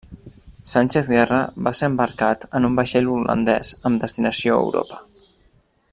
Sánchez-Guerra va ser embarcat en un vaixell holandès amb destinació a Europa.